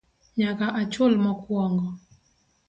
Nyaka achul mokwongo